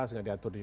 nggak diatur di